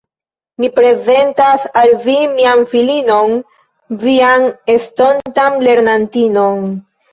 Mi prezentas al vi mian filinon, vian estontan lernantinon.